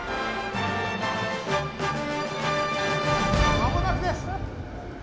間もなくです！